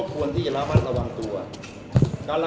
มันเป็นสิ่งที่เราไม่รู้สึกว่า